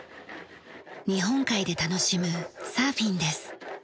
日本海で楽しむサーフィンです。